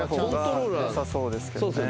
よさそうですけどね。